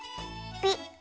ピッ。